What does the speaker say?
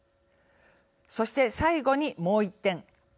そして、最後にもう１点。